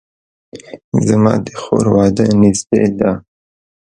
زما د خور واده نږدې ده